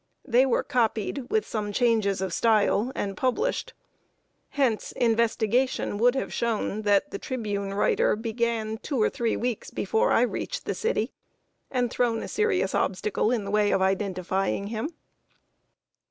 They were copied, with some changes of style, and published. Hence investigation would have shown that The Tribune writer began two or three weeks before I reached the city, and thrown a serious obstacle in the way of identifying him.